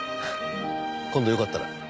今度よかったら。